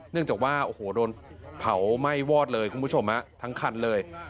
จากว่าโอ้โหโดนเผาไหม้วอดเลยคุณผู้ชมทั้งคันเลย